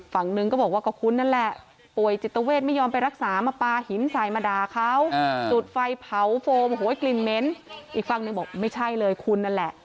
ฝั่งหนึ่งก็บอกว่าก็คุณนั่นแหละ